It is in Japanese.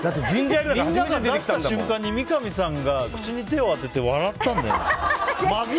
札上げた瞬間に三上さんが口に手を当てて笑ったんだよね。